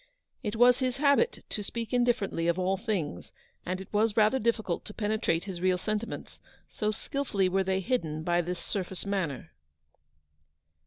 It was his habit to speak indifferently of all things, and it was rather difficult to pene trate his real sentiments, so skilfully were they hidden by this surface manner.